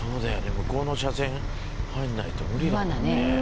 向こうの車線入んないと無理だもんね。